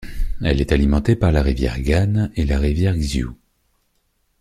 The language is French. Il est alimenté par la rivière Gan et la rivière Xiu.